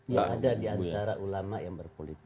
ya ada diantara ulama yang berpolitik